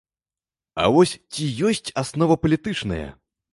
А вось ці ёсць аснова палітычная?